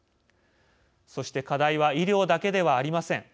そして、課題は医療だけではありません。